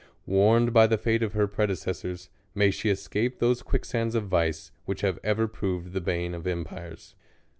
Warned by the fate of her prede cessors, may she escape those quicksands of vice, which have ever proved the bane of empires.